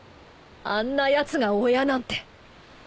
あんなやつが親なんて。